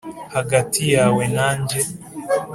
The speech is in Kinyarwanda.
hagati yawe na njye